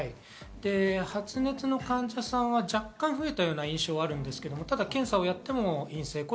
発熱の患者さんは若干増えた印象はあるんですが、検査をやっても陰性です。